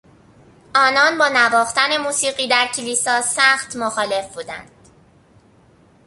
آنان با نواختن موسیقی در کلیسا سخت مخالف بودند.